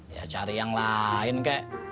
ya cari yang lain kek